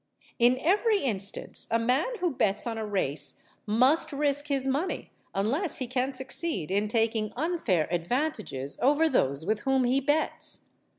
In every instance, a man who bets on a race must risk his money, unless he can succeed in taking unfair advantages over those with whom he bets.